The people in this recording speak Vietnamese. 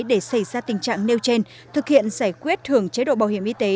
để xảy ra tình trạng nêu trên thực hiện giải quyết hưởng chế độ bảo hiểm y tế